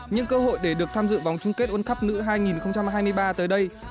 những cơ hội để được tham dự vòng chung kết world cup nữ hai nghìn hai mươi ba tới đây